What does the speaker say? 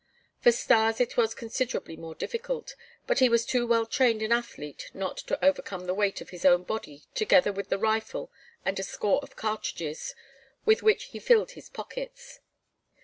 For Stas it was considerably more difficult, but he was too well trained an athlete not to overcome the weight of his own body together with the rifle and a score of cartridges with which he filled his pockets.